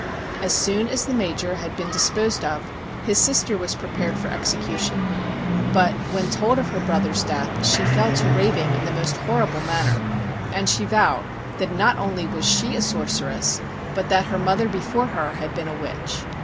As soon as the Major had been disposed of his sister was prepared for execution, but when told of her brother's death she fell to raving in the most horrible manner ; and she vowed that not only was she a sorceress but that her mother before her had been a witch.